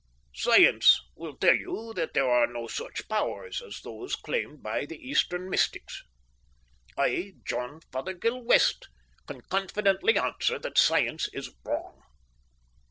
Science will tell you that there are no such powers as those claimed by the Eastern mystics. I, John Fothergill West, can confidently answer that science is wrong.